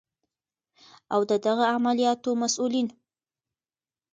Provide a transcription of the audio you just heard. او د دغه عملیاتو مسؤلین